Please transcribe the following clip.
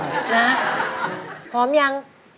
นะพร้อมยัง